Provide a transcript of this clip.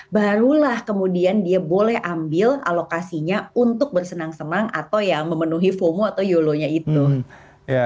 barulah kemudian dia boleh ambil alokasinya untuk bersenang senang atau ya memenuhi fomo atau yolo nya itu